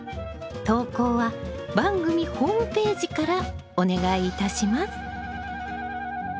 投稿は番組ホームページからお願いいたします。